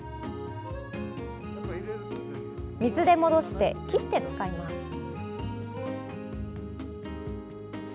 水で戻して、切って使います。